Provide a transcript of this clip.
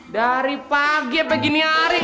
dari pagi sampai gini hari